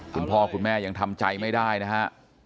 คุณพ่อคุณแม่ยังทำใจไม่ได้นะฮะ